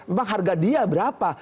emang harga dia berapa